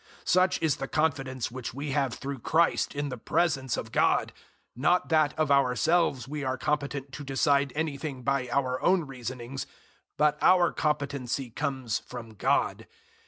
003:004 Such is the confidence which we have through Christ in the presence of God; 003:005 not that of ourselves we are competent to decide anything by our own reasonings, but our competency comes from God.